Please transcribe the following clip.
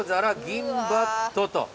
銀バットと。